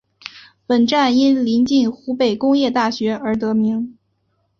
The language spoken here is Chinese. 本站因临近湖北工业大学而得名。